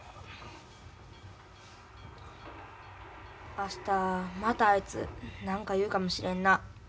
明日またあいつ何か言うかもしれんな。